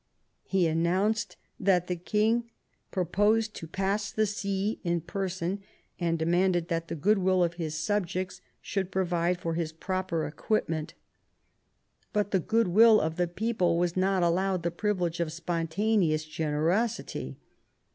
He announced that the king purposed to pass the sea in person, and demanded that the goodwill of his subjects should provide VII RENEWAL OF PEACE 111 for his proper equipment But ike goodwill of ike people was not allowed the privilege of spontaneous generosity.